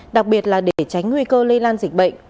đặc biệt là để tránh nguy cơ lây lan dịch bệnh